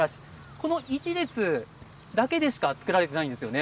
この１列だけでしか作られていないんですよね？